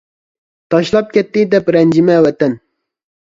تاشلاپ كەتتى دەپ رەنجىمە ۋەتەن.